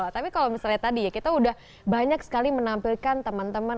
tapi kalau misalnya tadi ya kita udah banyak sekali menampilkan teman teman